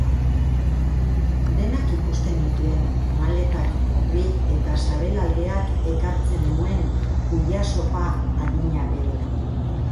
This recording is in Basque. Denak ikusten nituen, matelak gorri eta sabelaldeak ekartzen nuen kuiasopa adina bero.